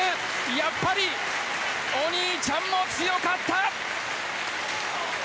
やっぱりお兄ちゃんも強かった！